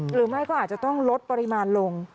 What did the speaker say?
หรือไม่ก็อาจจะต้องลดปริมาณลง